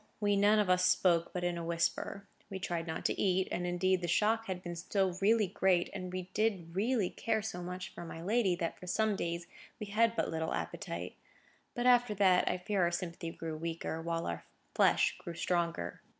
We none of us spoke but in a whisper: we tried not to eat; and indeed the shock had been so really great, and we did really care so much for my lady, that for some days we had but little appetite. But after that, I fear our sympathy grew weaker, while our flesh grew stronger.